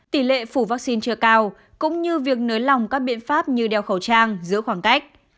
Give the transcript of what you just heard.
tỷ lệ phủ vaccine chưa cao cũng như việc nới lỏng các biện pháp như đeo khẩu trang giữa khoảng cách